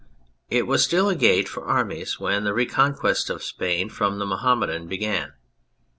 It was still a gate for armies when the reconquest of Spain from the Mohammedan began.